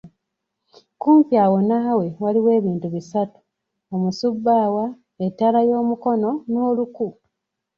Okumpi awo naawe waliwo ebintu bisatu, omusubbaawa, ettaala y’omukono n’oluku.